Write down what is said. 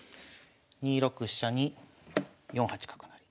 ２六飛車に４八角成。